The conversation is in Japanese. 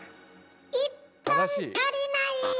１本足りない！